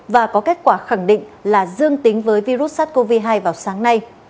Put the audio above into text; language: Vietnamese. và có kết quả khẳng định là dương tính với virus sars cov hai vào sáng nay